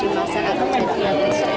jualnya yang berangkaian